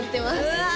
うわ